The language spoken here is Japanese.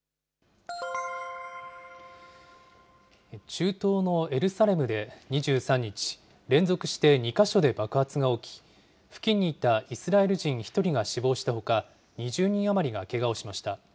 中東のエルサレムで２３日、連続して２か所で爆発が起き、付近にいたイスラエル人１人が死亡したほか、２０人余りがけがをしました。